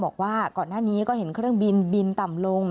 บอกว่าก่อนหน้านี้ก็เห็นเครื่องบินบินต่ำลง